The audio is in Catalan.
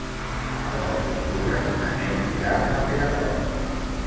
El nou d'octubre na Neus irà a Perafort.